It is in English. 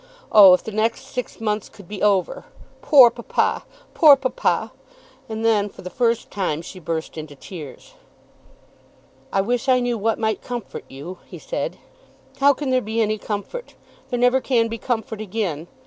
Oh, if the next six months could be over! Poor papa; poor papa!" And then for the first time she burst into tears. "I wish I knew what might comfort you," he said. "How can there be any comfort? There never can be comfort again!